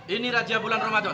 ini raja bulan ramadan